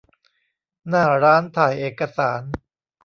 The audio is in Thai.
หน้าร้านถ่ายเอกสาร